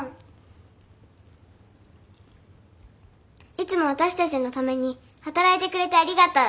いつも私たちのために働いてくれてありがとう。